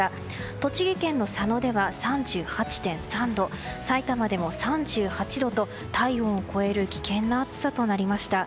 栃木県の佐野では３８．３度さいたまでも３８度と体温超えの危険夏さとなりました。